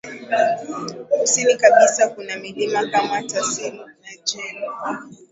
Kusini kabisa kuna milima kama Tassili nAjjer